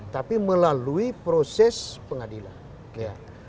tapi melalui proses pengadilan